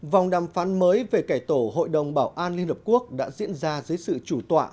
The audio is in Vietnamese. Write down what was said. vòng đàm phán mới về cải tổ hội đồng bảo an liên hợp quốc đã diễn ra dưới sự chủ tọa